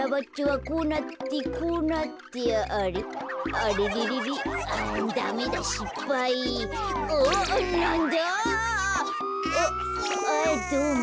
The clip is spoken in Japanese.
あっあどうも。